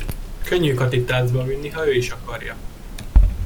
Könnyű Katit táncba vinni ha ő is akarja.